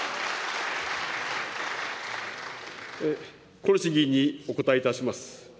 小西議員にお答えいたします。